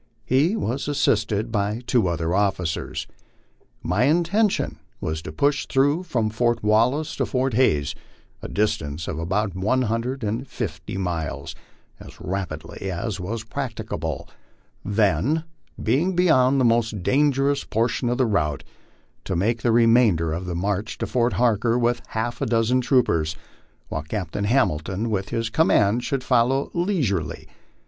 He was assisted by two other >fficers. My intention was to push through from Fort Wallace to Fort Hays, i distance of about one hundred and fifty miles, as rapidly as was practicable; ihen, being beyond the most dangerous portion of the route, to make the re mainder of the march to Fort Harker with half a dozen troopers, while Cap tain Hamilton with his command should follow leisurely.